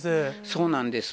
そうなんです。